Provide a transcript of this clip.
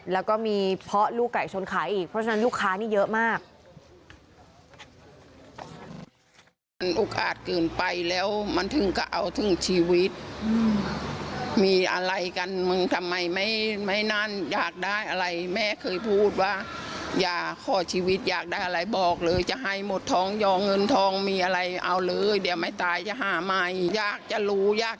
แล้วก็มีเพราะลูกไก่ชนขายอีกเพราะฉะนั้นลูกค้านี่เยอะมาก